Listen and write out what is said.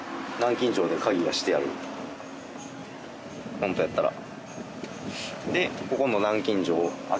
ホントやったら。